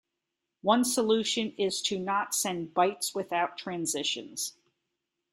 One solution is to not send bytes without transitions.